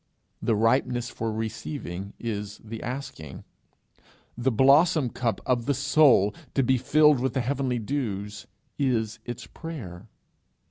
The ripeness for receiving is the asking. The blossom cup of the soul, to be filled with the heavenly dews, is its prayer.